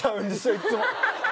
いつも。